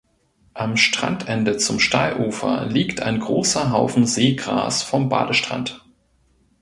Am Strandende zum Steilufer liegt ein großer Haufen Seegras vom Badestrand.